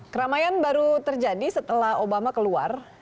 keramaian baru terjadi setelah obama keluar